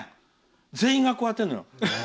全員がこうやってるのよ。